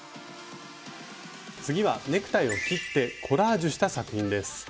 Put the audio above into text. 次はネクタイを切ってコラージュした作品です。